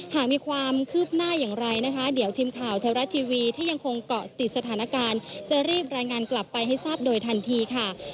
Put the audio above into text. หากมีความคืบหน้าอย่างไรนะคะเดี๋ยวทีมข่าวเทวรัฐทีวีถ้ายังคงเกาะติดสถานการณ์จะรีบรายงานกลับไปให้ทราบโดยทันทีค่ะ